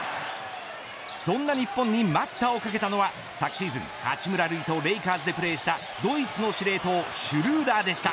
そんな日本に待ったをかけたのは昨シーズン、八村塁とレイカーズでプレーをしたドイツの司令塔シュルーダーでした。